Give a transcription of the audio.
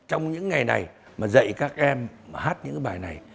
trong những ngày này mà dạy các em mà hát những cái bài này